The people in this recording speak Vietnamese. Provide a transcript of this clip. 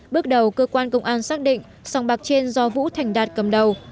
bước đầu cơ quan công an xác định sòng bạc trên do vũ thành đạt cầm đầu